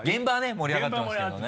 盛り上がってますけどね